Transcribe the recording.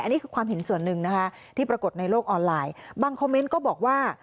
อันนี้คือความเห็นส่วนหนึ่งนะคะที่ปรากฏในโลกออนไลน์บางคอมเมนต์ก็บอกว่า